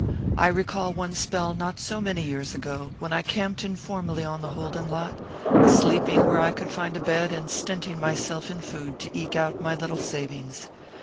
I recall one spell, not so many years ago, when I camped informally on the Holden lot, sleeping where I could find a bed and stinting myself in food to eke out my little savings.